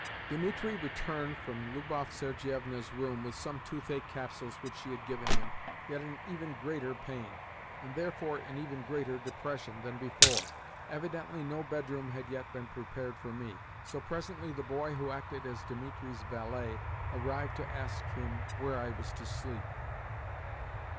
Dimitri returned from Lubov Sergievna's room with some toothache capsules which she had given him, yet in even greater pain, and therefore in even greater depression, than before. Evidently no bedroom had yet been prepared for me, for presently the boy who acted as Dimitri's valet arrived to ask him where I was to sleep.